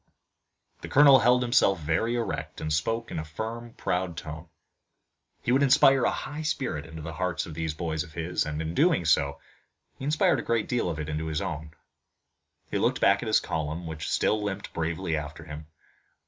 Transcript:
The colonel held himself very erect, and spoke in a firm proud tone. He would inspire a high spirit into the hearts of these boys of his, and in doing so he inspired a great deal of it into his own. He looked back at his column, which still limped bravely after him.